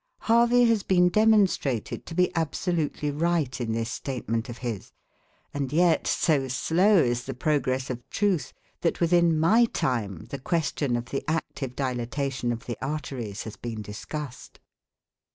Harvey has been demonstrated to be absolutely right in this statement of his; and yet, so slow is the progress of truth, that, within my time, the question of the active dilatation of the arteries has been discussed.